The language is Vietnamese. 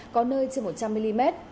có nơi trên một trăm linh mm